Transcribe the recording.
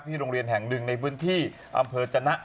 โรงเรียนแห่งหนึ่งในพื้นที่อำเภอจนะ